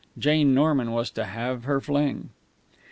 Jane Norman was to have her fling.